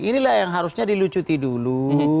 inilah yang harusnya dilucuti dulu